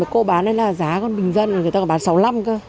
cô bán đây là giá còn bình dân người ta còn bán sáu năm cơ